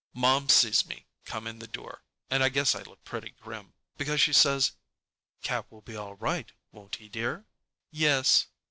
Mom sees me come in the door, and I guess I look pretty grim, because she says, "Cat will be all right, won't he, dear?" "Yes."